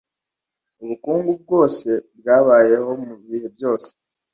ubukungu bwose bwabayeho mu bihe byose.